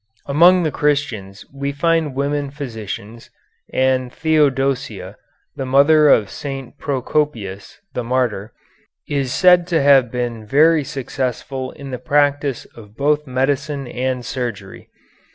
Among the Christians we find women physicians, and Theodosia, the mother of St. Procopius, the martyr, is said to have been very successful in the practice of both medicine and surgery.